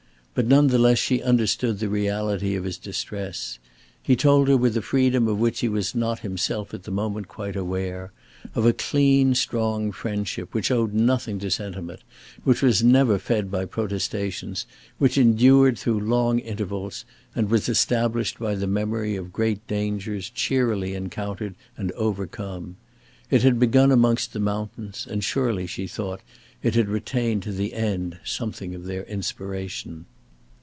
But none the less she understood the reality of his distress. He told her with a freedom of which he was not himself at the moment quite aware, of a clean, strong friendship which owed nothing to sentiment, which was never fed by protestations, which endured through long intervals, and was established by the memory of great dangers cheerily encountered and overcome. It had begun amongst the mountains, and surely, she thought, it had retained to the end something of their inspiration.